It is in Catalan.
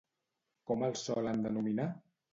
Com el solen denominar?